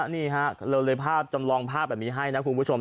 นี่ฮะเราเลยภาพจำลองภาพแบบนี้ให้นะคุณผู้ชม